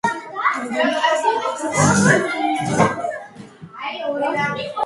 მთის აღმოსავლეთ კალთაზე მდებარეობს ტრიფტის მყინვარის ზემო აუზი.